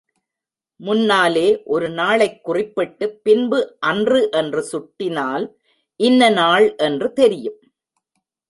முன்னாலே ஒரு நாளைக் குறிப்பிட்டுப் பின்பு அன்று என்று சுட்டினால் இன்ன நாள் என்று தெரியும்.